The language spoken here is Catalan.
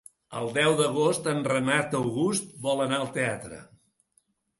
El deu d'agost en Renat August vol anar al teatre.